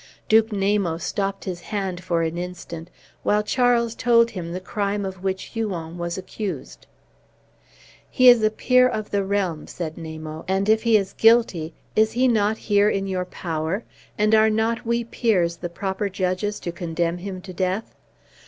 Duke Namo stopped his hand for an instant, while Charles told him the crime of which Huon was accused. "He is a peer of the realm," said Namo, "and if he is guilty, is he not here in your power, and are not we peers the proper judges to condemn him to death?